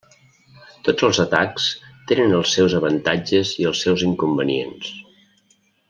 Tots els atacs tenen els seus avantatges i els seus inconvenients.